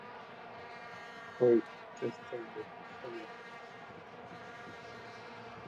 He also has some business activities.